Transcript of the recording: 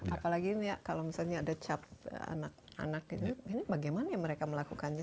apalagi ini kalau misalnya ada cap anak anak ini bagaimana mereka melakukannya